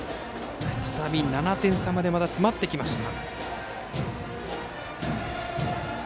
再び７点差まで詰まってきました。